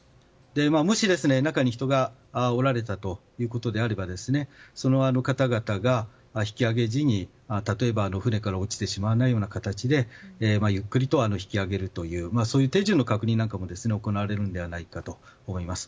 もし中に人がおられたのであればその方々が引き揚げ時に例えば、船から落ちてしまわないような形でゆっくりと引き上げるという手順の確認なんかも行われるのではないかと思います。